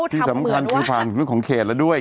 ที่สำคัญคือภาณกลุ่มยุคของเขตแล้วด้วย